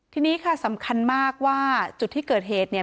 ทีนี้ค่ะสำคัญมากว่าจุดที่เกิดเหตุเนี่ย